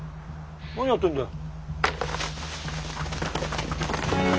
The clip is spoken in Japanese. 何やってんだよ？